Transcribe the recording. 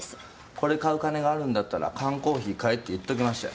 これ買う金があるんだったら缶コーヒー買えって言っときましたよ。